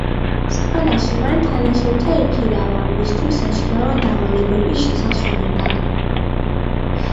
სკოლაში მან თანაშემწე იქირავა მისთვის საშინაო დავალებების შესასრულებლად.